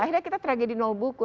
akhirnya kita tragedi nol buku